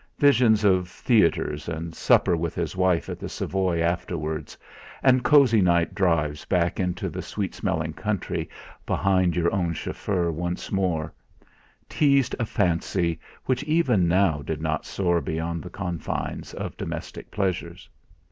Visions of theatres and supper with his wife at the Savoy afterwards, and cosy night drives back into the sweet smelling country behind your own chauffeur once more teased a fancy which even now did not soar beyond the confines of domestic pleasures.